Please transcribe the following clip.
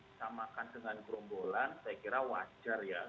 kita makan dengan gerombolan saya kira wajar ya